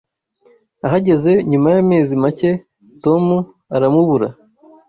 Ahageze nyuma y'amezi make Tomu aramubura